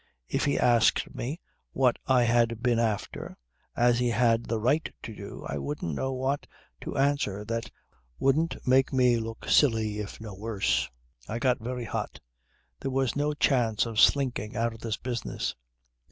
If he asked me what I had been after, as he had the right to do, I wouldn't know what to answer that wouldn't make me look silly if no worse. I got very hot. There was no chance of slinking out of this business.